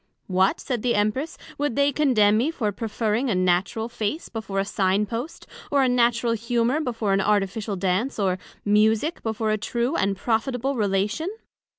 What, said the Empress, would they condemn me for preferring a natural Face before a Sign post; or a natural Humour before an artificial Dance; or Musick before a true and profitable Relation?